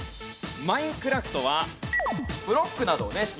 『マインクラフト』はブロックなどをね